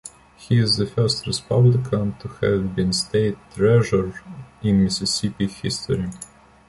He is the first Republican to have been state treasurer in Mississippi history.